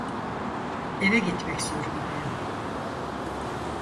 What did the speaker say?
Eve gitmek zorundayım.